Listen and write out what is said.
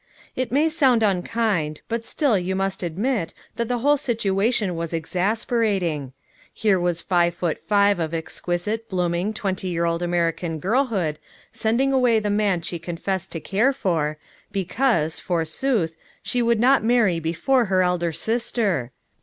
It may sound unkind, but still you must admit that the whole situation was exasperating. Here was five foot five of exquisite, blooming, twenty year old American girlhood sending away the man she confessed to care for, because, forsooth, she would not marry before her elder sister!